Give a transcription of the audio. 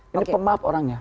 ini pemaham orangnya